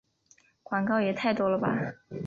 广告也太多了吧